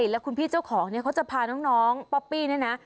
แล้วคุณพี่เจ้าของเนี่ยเขาจะพาน้องป๊อปปี้เนี่ยนะ